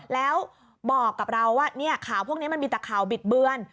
แล้วบอกกับเราว่าข่าวพวกนี้มันมีแต่ข่าวบิดเบือน